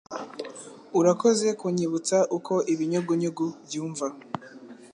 Urakoze kunyibutsa uko ibinyugunyugu byumva.